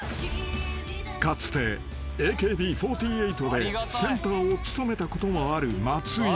［かつてＡＫＢ４８でセンターを務めたこともある松井］